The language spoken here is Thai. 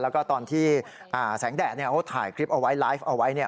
แล้วก็ตอนที่แสงแดดถ่ายคลิปไลฟ์เอาไว้